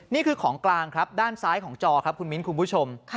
นี่คือของกลางครับด้านซ้ายของจอครับคุณมิ้นคุณผู้ชม